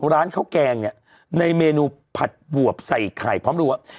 ร้านข้าวแกงเนี่ยในเมนูผัดบวบใส่ไข่พร้อมรัว